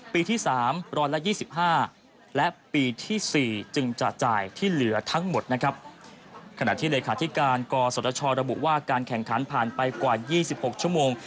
ปีที่สามร้อยละยี่สิบห้าและปีที่สี่จึงจะจ่ายที่เหลือทั้งหมดนะครับขณะที่เลขาธิการก่อสวทชระบุว่าการแข่งขันผ่านไปกว่ายี่สิบหกชั่วโมง